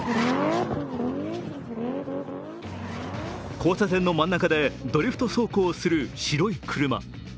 交差点の真ん中でドリフト走行をする白い車。